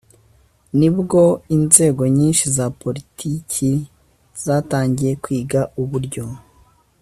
nibwo inzego nyinshi za politiki zatangiye kwiga uburyo